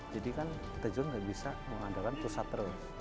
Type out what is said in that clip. jadi kan kita juga nggak bisa mengandalkan pusat terus